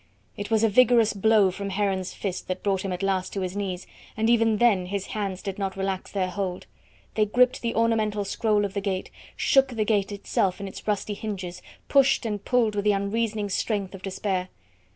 It was a vigorous blow from Heron's fist that brought him at last to his knees, and even then his hands did not relax their hold; they gripped the ornamental scroll of the gate, shook the gate itself in its rusty hinges, pushed and pulled with the unreasoning strength of despair.